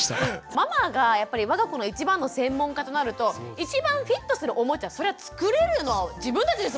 ママがやっぱりわが子の一番の専門家となると一番フィットするおもちゃそれは作れるの自分たちですもんね。